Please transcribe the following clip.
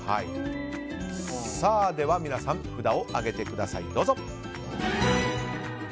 では皆さん札を上げてください。